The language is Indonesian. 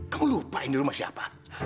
kamu lupain di rumah siapa